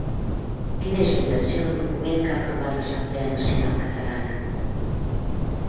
Quina és la intenció del document que ha aprovat l'Assemblea Nacional Catalana?